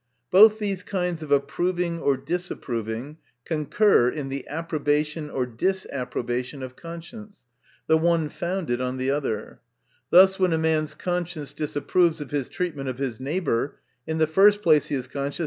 Both th kinds of approving or disapproving concur in the approbation or disapprobation of conscience ; the one founded on the other. Thus, when a man's conscience disapproves of his treatment of his neighbor, in the first place he is conscious 2S8 THE MATURE OF VIRTUE.